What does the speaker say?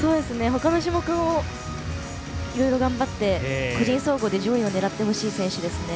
ほかの種目をいろいろ頑張って個人総合で上位を狙ってほしい選手ですね。